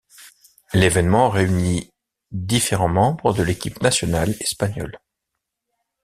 L'événement réunit différents membres de l'équipe nationale espagnole.